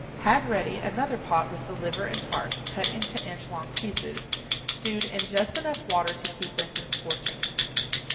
Have ready another pot with the liver and heart, cut into inch long pieces, stewed in just enough water to keep them from scorching.